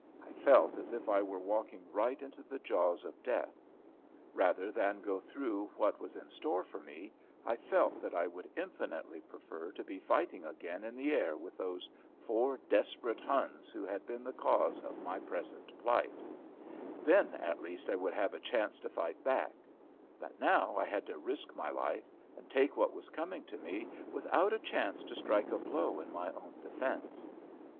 I felt as if I were walking right into the jaws of death. Rather than go through what was in store for me I felt that I would infinitely prefer to be fighting again in the air with those four desperate Huns who had been the cause of my present plight; then, at least, I would have a chance to fight back, but now I had to risk my life and take what was coming to me without a chance to strike a blow in my own defense.